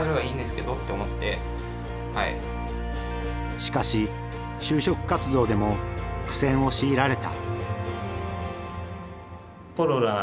しかし就職活動でも苦戦を強いられた。